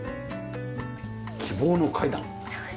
希望の階段。